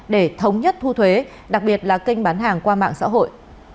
để thống nhất thu thuế đặc biệt là kênh bán hàng qua mạng xã hội